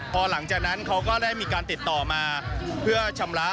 พอหลังจากนั้นเขาก็ได้มีการติดต่อมาเพื่อชำระ